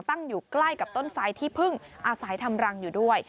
ตั้งอยู่ใกล้กับต้นไซด์ที่พึ่งอาศัยทำรังอยู่ด้วย